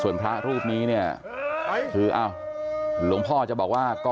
ส่วนพระรูปนี้คือหลวงพ่อจะบอกว่า